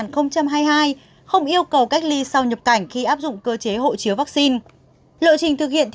không yêu cầu cách ly sau nhập cảnh khi áp dụng cơ chế hộ chiếu vắc xin lộ trình thực hiện theo